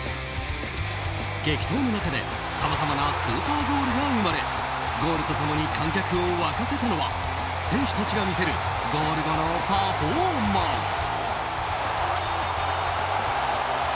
激闘の中で、さまざまなスーパーゴールが生まれゴールと共に観客を沸かせたのは選手たちが見せるゴール後のパフォーマンス。